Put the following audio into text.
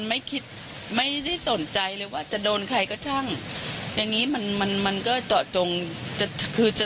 ไม่คิดไม่ได้สนใจเลยว่าจะโดนใครก็ช่างอย่างนี้มันมันมันก็เจาะจงจะคือจะ